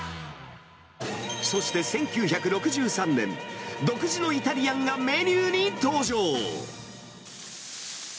そして１９６３年、独自のイタリアンがメニューに登場。